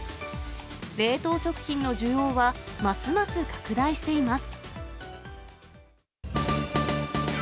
冷凍食品の需要はますます拡大しています。